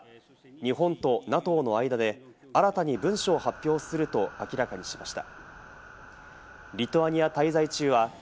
岸田総理は日本とＮＡＴＯの間で新たに文書を発表すると明らかにしました。